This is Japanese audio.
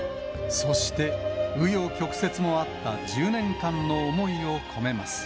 そして、う余曲折もあった１０年間の思いを込めます。